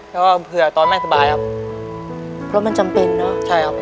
แล้วก็เผื่อตอนแม่สบายครับเพราะมันจำเป็นเนอะใช่ครับ